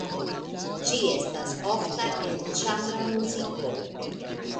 Ĝi estas ofta en ĉambra muziko.